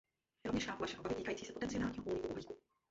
Rovněž chápu vaše obavy týkající potenciálního úniku uhlíku.